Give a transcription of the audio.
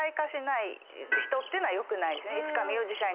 いつかミュージシャン。